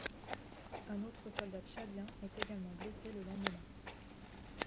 Un autre soldat tchadien est également blessé le lendemain.